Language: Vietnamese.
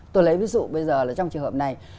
tôi lấy ví dụ bây giờ là trong trường hợp này